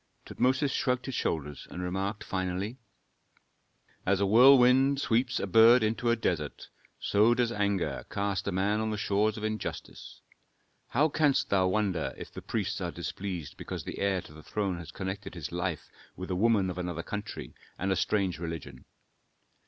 Tutmosis shrugged his shoulders, and remarked finally, "As a whirlwind sweeps a bird into a desert, so does anger cast a man on the shores of injustice. How canst thou wonder if the priests are displeased because the heir to the throne has connected his life with a woman of another country and a strange religion?